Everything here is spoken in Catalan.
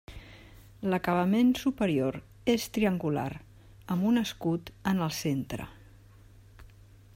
L'acabament superior és triangular, amb un escut en el centre.